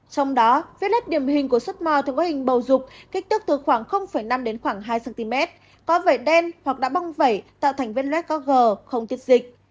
trong đó vết luet điểm hình của suốt mò thường có hình bầu rục kích tức từ khoảng năm đến khoảng hai cm có vẻ đen hoặc đã bong vẩy tạo thành vết luet có gờ không tiết dịch